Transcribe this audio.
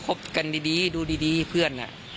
ครบกันดีดูดีเพื่อนน่ะ